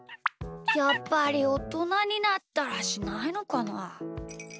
やっぱりおとなになったらしないのかな？